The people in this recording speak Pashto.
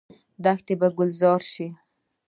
دښتې به ګلزار شي؟